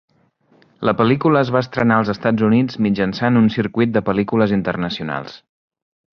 La pel·lícula es va estrenar als Estats Units mitjançant un Circuit de Pel·lícules Internacionals.